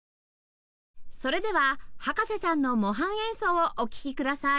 それでは葉加瀬さんの模範演奏をお聴きください